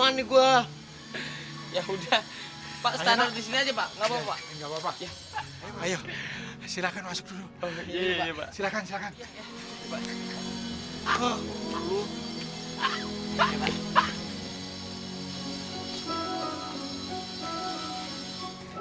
anegoh ya udah pak standar disini aja pak enggak papa ayo silakan masuk dulu